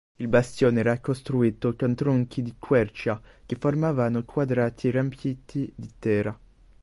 Il bastione era costruito con tronchi di quercia che formavano quadrati riempiti di terra.